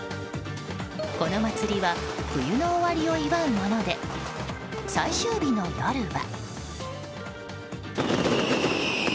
この祭りは冬の終わりを祝うもので、最終日の夜は。